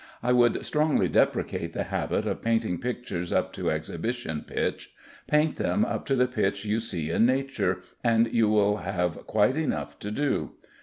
I would strongly deprecate the habit of painting pictures up to exhibition pitch. Paint them up to the pitch you see in nature, and you will have quite enough to do.